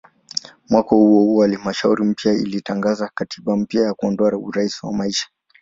Mwaka huohuo halmashauri mpya ilitangaza katiba mpya na kuondoa "urais wa maisha".